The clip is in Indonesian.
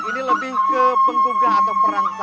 ini lebih ke penggugah atau perangsa